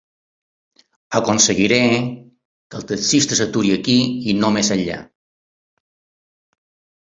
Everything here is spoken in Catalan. “Aconseguiré que el taxista s'aturi aquí i no més enllà?